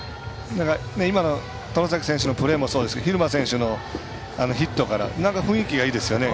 今、外崎選手もそうですけど蛭間選手の、あのヒットから雰囲気がいいですよね。